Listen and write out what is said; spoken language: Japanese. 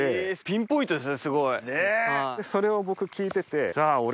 ピンポイントですねすごい。それを僕聞いててじゃあ。